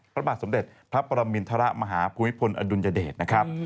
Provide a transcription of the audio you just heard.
พระบาทสมเด็จพระปรมินทรมาฮภูมิพลอดุลยเดชนะครับ